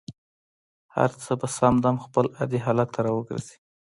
هر څه به سم دم خپل عادي حالت ته را وګرځي.